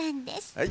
はい。